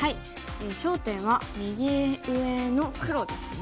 焦点は右上の黒ですね。